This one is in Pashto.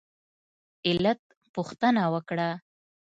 علت پوښتنه وکړه.